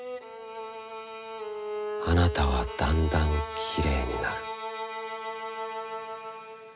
「あなたはだんだんきれいになる」。